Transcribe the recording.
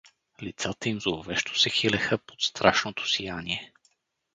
Лицата им зловещо се хилеха под страшното сияние.